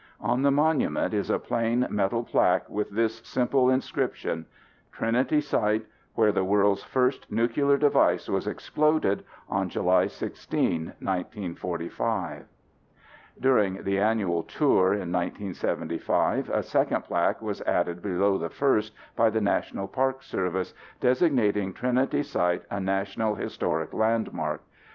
On the monument is a plain metal plaque with this simple inscription: "Trinity Site Where the World's First Nuclear Device Was Exploded on July 16, 1945." During the annual tour in 1975, a second plaque was added below the first by The National Park Service, designating Trinity Site a National Historic Landmark.